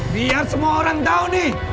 biar semua orang tahu nih